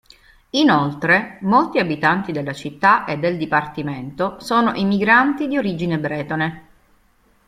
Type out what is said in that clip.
Inoltre, molti abitanti della città e del dipartimento sono immigranti di origine bretone.